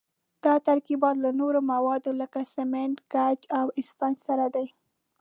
دا ترکیبات له نورو موادو لکه سمنټ، ګچ او اسفنج سره دي.